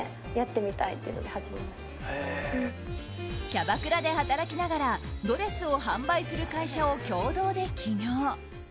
キャバクラで働きながらドレスを販売する会社を共同で起業。